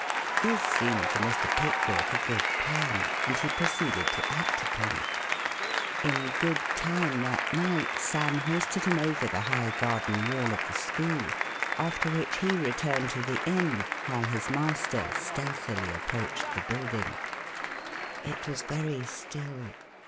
This seemed to Mr. Pickwick a good plan, and he proceeded to act upon it. In good time that night Sam hoisted him over the high garden wall of the school, after which he returned to the inn, while his master stealthily approached the building. It was very still.